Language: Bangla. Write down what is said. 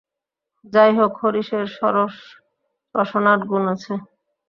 যাই হোক, হরিশের সরস রসনার গুণ আছে।